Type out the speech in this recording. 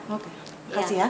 oke makasih ya